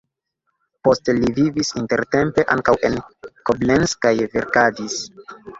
Poste li vivis intertempe ankaŭ en Koblenz kaj verkadis.